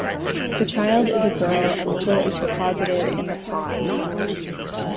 If the child is a girl, a needle is deposited in the pot.